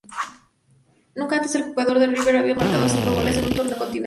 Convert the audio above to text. Nunca antes un jugador de River había marcado cinco goles en un torneo continental.